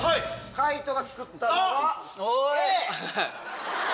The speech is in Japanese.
海人が作ったのはＡ！